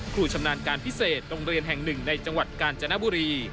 ชำนาญการพิเศษโรงเรียนแห่งหนึ่งในจังหวัดกาญจนบุรี